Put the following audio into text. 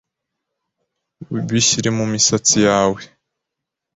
Bishyire mu misatsi yawe